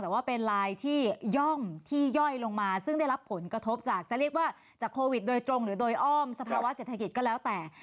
แต่ว่าเป็นลายที่ย่อมที่ย่อยลงมาซึ่งได้รับผลกระทบจากจะเรียกว่าจากโควิดโดยตรงหรือโดยอ้อมสภาวะเศรษฐกิจก็แล้วแต่